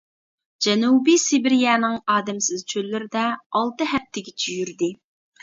جەنۇبىي سىبىرىيەنىڭ ئادەمسىز چۆللىرىدە ئالتە ھەپتىگىچە يۈردى.